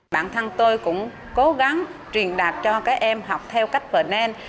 bản thân tôi cũng cố gắng truyền đạt cho các em học theo cách vở nen